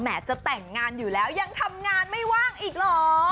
จะแต่งงานอยู่แล้วยังทำงานไม่ว่างอีกเหรอ